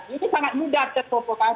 ini sangat mudah terprovokasi